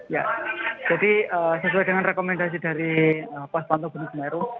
ya jadi sesuai dengan rekomendasi dari pos pantau gunung semeru